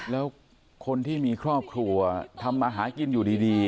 แล้วคนที่มีครอบครัวทำมาหากินอยู่ดี